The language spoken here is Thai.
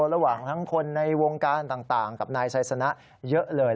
ระหว่างทั้งคนในวงการต่างกับนายไซสนะเยอะเลย